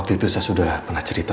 kamu sudah mas brauchen juga